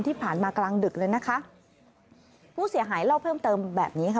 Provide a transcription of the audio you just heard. กลางดึกเลยนะคะผู้เสียหายเล่าเพิ่มเติมแบบนี้ค่ะ